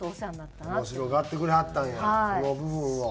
面白がってくれはったんやその部分を。